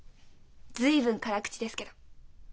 随分辛口ですけど。